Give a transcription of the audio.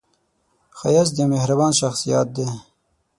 ښایست د یوه مهربان شخص یاد دی